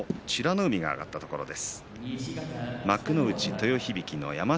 海が上がったところです。